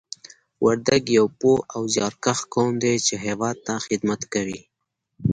وردګ یو پوه او زیارکښ قوم دی چې هېواد ته خدمت کوي